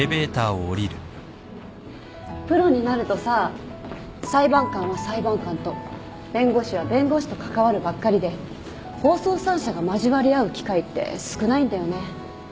プロになるとさ裁判官は裁判官と弁護士は弁護士と関わるばっかりで法曹三者が交わり合う機会って少ないんだよね。